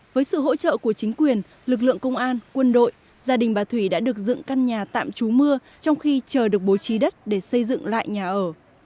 với sự hỗ trợ của chính quyền lực lượng công an quân đội gia đình bà thủy đã được dựng căn nhà tạm trú mưa trong khi chờ được bố trí đất để xây dựng lại nhà ở